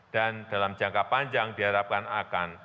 dan dalam jangka panjang diharapkan akan